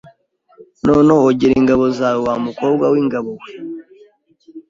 “Noneho, gera ingabo zawe, wa mukobwa w’ingabo we!